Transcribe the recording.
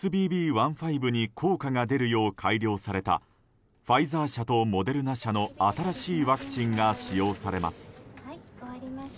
．１．５に効果が出るよう改良されたファイザー社とモデルナ社の新しいワクチンが使用されます。